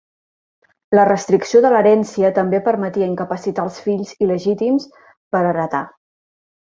La restricció de l'herència també permetia incapacitar els fills il·legítims per heretar.